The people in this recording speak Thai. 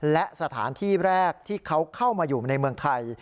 และสถานที่แรกที่เขาเข้ามาอยู่ในเมืองไทย